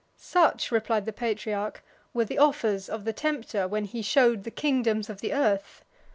"Such," replied the patriarch, "were the offers of the tempter when he showed the kingdoms of the earth.